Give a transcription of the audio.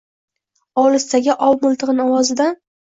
Olisdagi ov miltigʼin ovozidan